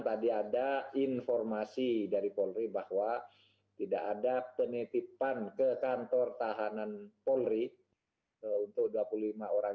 tadi ada informasi dari polri bahwa tidak ada penitipan ke kantor tahanan polri untuk dua puluh lima orang